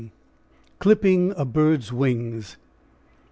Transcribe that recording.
CLIPPING A BIRD'S WINGS.